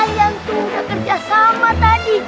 kalian tuh kerja sama tadi